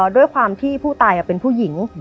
ด้วยความที่ผู้ตายเป็นผู้หญิง